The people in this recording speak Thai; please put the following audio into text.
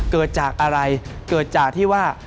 เกิดจากอะไรเกิดจากที่ว่า